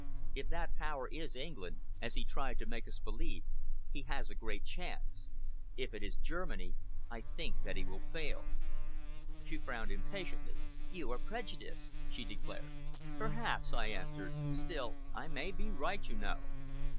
If that Power is England, as he tried to make us believe, he has a great chance. If it is Germany, I think that he will fail." She frowned impatiently. "You are prejudiced," she declared. "Perhaps," I answered. "Still, I may be right, you know."